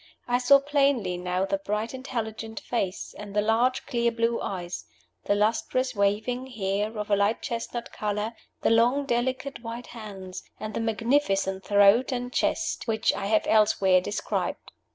I saw plainly now the bright intelligent face and the large clear blue eyes, the lustrous waving hair of a light chestnut color, the long delicate white hands, and the magnificent throat and chest which I have elsewhere described.